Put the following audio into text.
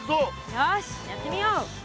よしやってみよう。